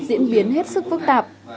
diễn biến hết sức phức tạp